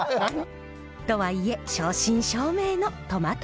とはいえ正真正銘のトマトパスタ。